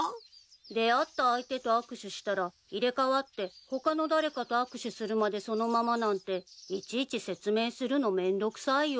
出会った相手と握手したら入れ替わって他の誰かと握手するまでそのままなんていちいち説明するのめんどくさいよ。